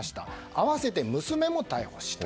併せて娘も逮捕した。